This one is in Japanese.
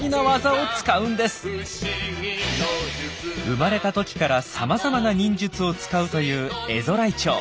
生まれたときからさまざまな忍術を使うというエゾライチョウ。